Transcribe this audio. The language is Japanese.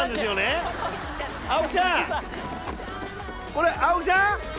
これ青木さん！